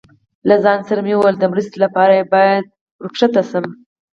له ځان سره مې وویل، د مرستې لپاره یې باید ور کوز شم.